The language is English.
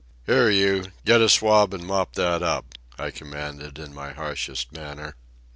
"Here, you, get a swab and mop that up," I commanded in my harshest manner.